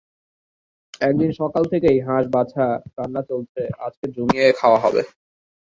একদিন সকাল থেকেই হাঁস বাছা, রান্না চলছে, আজকে জমিয়ে খাওয়া হবে।